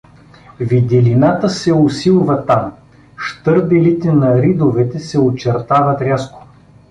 Виделината се усилва там, щърбелите на ридовете се очертават рязко.